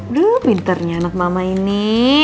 aduh pinternya anak mama ini